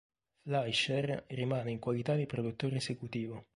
Fleischer rimane in qualità di produttore esecutivo.